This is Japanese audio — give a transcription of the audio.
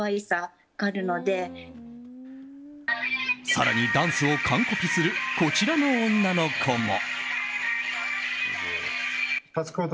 更にダンスを完コピするこちらの女の子も。